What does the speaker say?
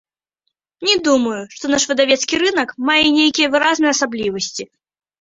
Не думаю, што наш выдавецкі рынак мае нейкія выразныя асаблівасці.